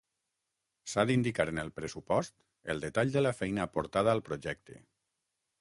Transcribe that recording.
S'ha d'indicar en el pressupost el detall de la feina aportada al projecte.